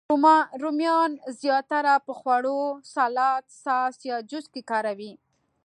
رومیان زیاتره په خوړو، سالاد، ساس، یا جوس کې کاروي